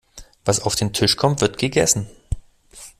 Was auf den Tisch kommt, wird gegessen.